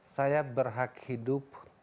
saya berhak hidup